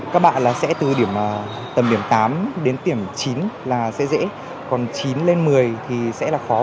các bạn sẽ từ điểm tầm điểm tám đến điểm chín là sẽ dễ còn chín lên một mươi thì sẽ là khó